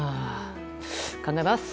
考えます。